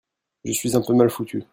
Je suis un peu mal foutu.